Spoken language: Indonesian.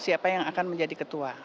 siapa yang akan menjadi ketua